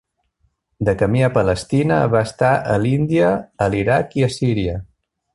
De camí a Palestina, va estar a l'Índia, a l'Iraq, i a Síria.